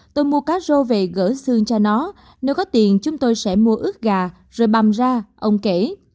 tôi mua cá rô về gỡ xương cho nó nếu có tiền chúng tôi sẽ mua ước gà rồi bầm ra ông kể